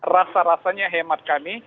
rasa rasanya hemat kami